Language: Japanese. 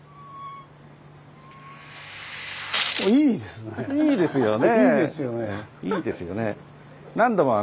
いいですね。